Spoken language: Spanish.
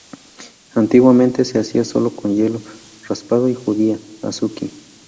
Antiguamente se hacía solo con hielo raspado y judía "azuki".